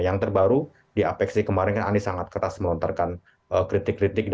yang terbaru di apeksi kemarin kan anies sangat keras melontarkan kritik kritik